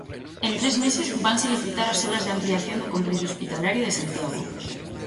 En tres meses vanse licitar as obras de ampliación do complexo hospitalario de Santiago.